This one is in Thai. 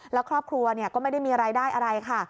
แล้วครอบครัวก็ไม่ได้มีรายได้อะไรค่ะ